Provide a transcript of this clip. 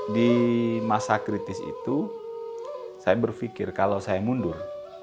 di masa kritis itu saya berpikir kalau saya mundur